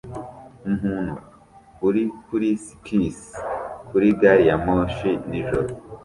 Umuntu uri kuri skisi kuri gari ya moshi nijoro